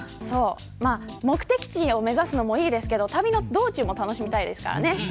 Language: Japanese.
目的地を目指すのもいいですが道中も楽しみたいですからね。